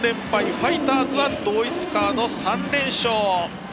ファイターズは同一カード３連勝。